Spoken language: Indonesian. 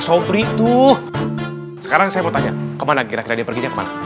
sopri tuh sekarang saya mau tanya kemana kira kira dia perginya kemana